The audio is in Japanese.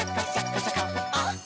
「あっ！